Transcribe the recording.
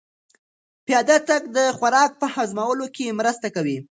پیاده تګ د خوراک په هضمولو کې مرسته کوي.